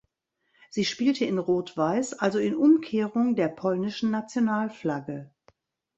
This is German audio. Sie spielte in rot-weiß, also in Umkehrung der polnischen Nationalflagge.